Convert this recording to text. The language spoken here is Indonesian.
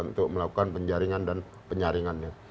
untuk melakukan penjaringan dan penyaringannya